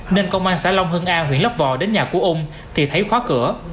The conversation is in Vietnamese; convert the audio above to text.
nên công an xã long hưng an huyện lấp vò đến nhà của ú thì thấy khóa cửa